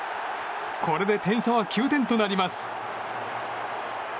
これで点差は９点となります。